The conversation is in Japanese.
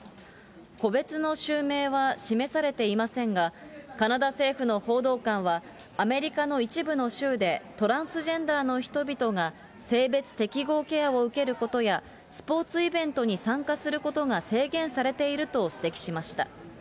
個別の州名は示されていませんが、カナダ政府の報道官は、アメリカの一部の州で、トランスジェンダーの人々が性別適合ケアを受けることや、スポーツイベントに参加することが制限されていると指摘しました。